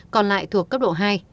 còn lại thuộc cấp độ hai